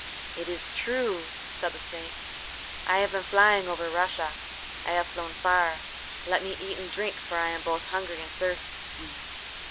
"It is true," said the snake: "I have been flying over Russia. I have flown far. Let me eat and drink, for I am both hungry and thirsty."